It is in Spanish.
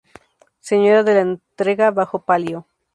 Señora de la Entrega bajo palio.